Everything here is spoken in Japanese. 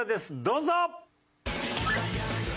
どうぞ！